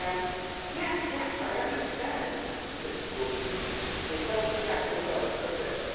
And "" Yes, yes, I understand," said Claudius. They fell to chatting of other subjects.